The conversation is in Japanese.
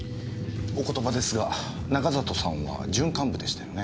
お言葉ですが中里さんは準幹部でしたよね？